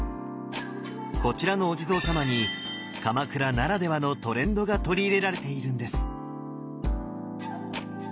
こちらのお地蔵様に鎌倉ならではのトレンドが取り入れられているんです。